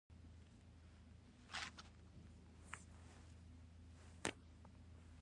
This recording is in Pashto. احمد په سوداګرۍ کې ښه سم درز و خوړ.